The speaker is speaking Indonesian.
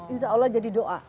insya allah jadi doa